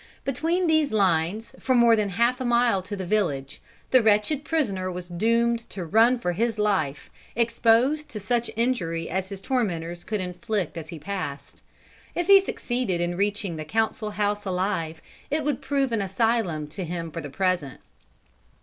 Between these lines, for more than half a mile to the village, the wretched prisoner was doomed to run for his life, exposed to such injury as his tormentors could inflict as he passed. If he succeeded in reaching the council house alive, it would prove an asylum to him for the present.